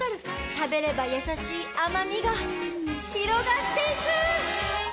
食べれば優しい甘みが広がっていく。